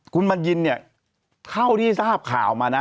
คุณบัญญินเนี่ยเท่าที่ทราบข่าวมานะ